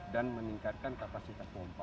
dan meningkatkan kapasitas pompa